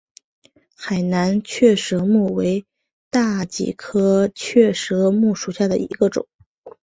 海南雀舌木为大戟科雀舌木属下的一个种。